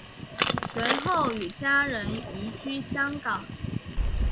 随后与家人移居香港。